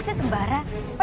anda harus mengerti bahwa